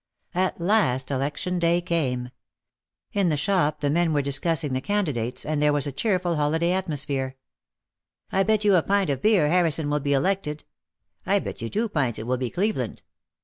At last election day came. In the shop the men were discussing the candidates and there was a cheerful holi day atmosphere. "I bet you a pint of beer Harrison will be elected." "I bet you two pints it will be Cleveland."